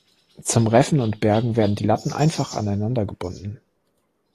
Zum Reffen und Bergen werden die Latten einfach aneinander gebunden.